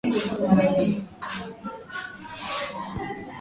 Mahakama za kangaroo zikapata sana wahanga